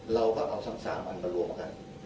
เราก็เอาทั้ง๓อันมารวมกัน